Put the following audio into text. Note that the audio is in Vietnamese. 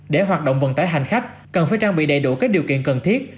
để hoạt động vận tải hành khách cần phải trang bị đầy đủ các điều kiện cần thiết